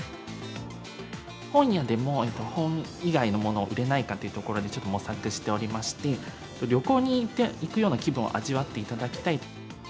本屋でも、本以外のもの売れないかというところで、ちょっと模索しておりまして、旅行に行くような気分を味わっていただきたいと。